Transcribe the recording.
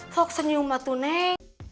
kok senyum mbak tuneng